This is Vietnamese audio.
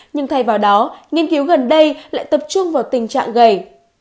nhưng thay vào đó nghiên cứu gần đây lại tập trung vào tình trạng gầy